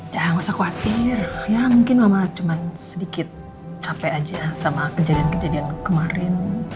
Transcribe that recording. ya nggak usah khawatir ya mungkin mama cuma sedikit capek aja sama kejadian kejadian kemarin